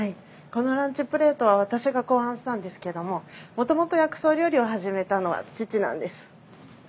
このランチプレートは私が考案したんですけどももともと薬草料理を始めたのは父なんです。